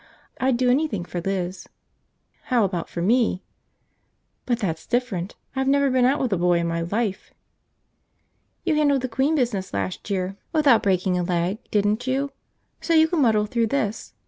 I'd do anything for Liz!" "How about for me?" "But that's different! I've never been out with a boy in my life!" "You handled the queen business last year without breaking a leg, didn't you? So you can muddle through this.